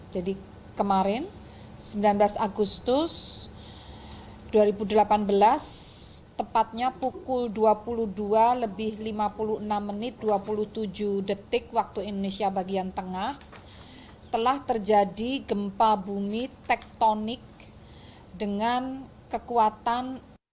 jadi kemarin sembilan belas agustus dua ribu delapan belas tepatnya pukul dua puluh dua lima puluh enam dua puluh tujuh waktu indonesia bagian tengah telah terjadi gempa bumi tektonik dengan kekuatan tujuh